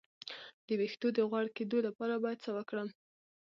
د ویښتو د غوړ کیدو لپاره باید څه وکړم؟